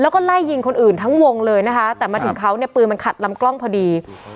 แล้วก็ไล่ยิงคนอื่นทั้งวงเลยนะคะแต่มาถึงเขาเนี่ยปืนมันขัดลำกล้องพอดี